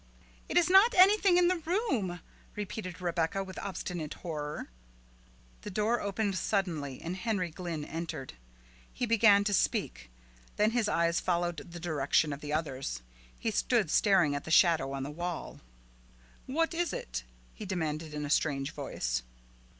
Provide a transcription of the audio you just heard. "It is not anything in the room," repeated Rebecca with obstinate horror. The door opened suddenly and Henry Glynn entered. He began to speak, then his eyes followed the direction of the others. He stood staring at the shadow on the wall. "What is that?" he demanded in a strange voice.